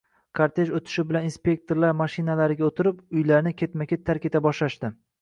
Kortej o'tishi bilan inspektorlar mashinalariga o'tirib, uylarni ketma -ket tark eta boshlashdi